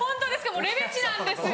もうレベチなんですよ。